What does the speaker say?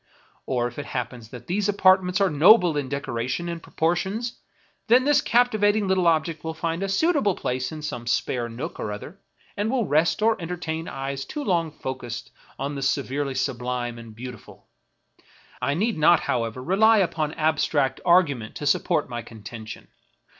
Or if it happen that these apartments are noble in decoration and proportions, then this captivating little object will find a suitable place in some spare nook or other, and will rest or entertain eyes too long focused on the severely sublime and beautiful. I need not, however, rely upon abstract ar gument to support my contention.